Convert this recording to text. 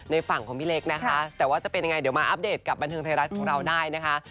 ฝั่งของพี่เล็กนะคะแต่ว่าจะเป็นยังไงเดี๋ยวมาอัปเดตกับบันเทิงไทยรัฐของเราได้นะคะ